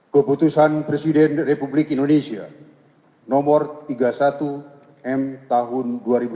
keputusan presiden republik indonesia nomor tiga puluh satu m tahun dua ribu tujuh belas